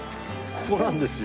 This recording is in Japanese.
ここなんですよ。